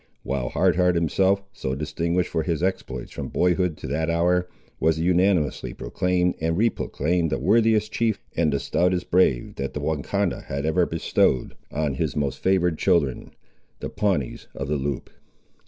While Hard Heart himself, so distinguished for his exploits from boyhood to that hour, was unanimously proclaimed and re proclaimed the worthiest chief and the stoutest brave that the Wahcondah had ever bestowed on his most favoured children, the Pawnees of the Loup.